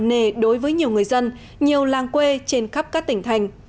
nề đối với nhiều người dân nhiều làng quê trên khắp các tỉnh thành